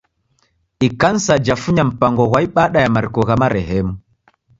Ikanisa jafunya mpango ghwa ibada ya mariko gha marehemu.